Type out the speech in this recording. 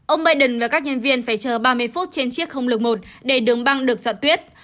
ông biden và các nhân viên phải chờ ba mươi phút trên chiếc không lực một để đường băng được soạn tuyết